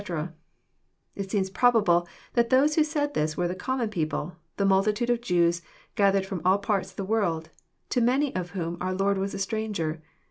] It seems probable that those who said this were the comm^n^eople, the multitude of Jews gathered from all parts of the world, to many of whom our Lord was a stranger.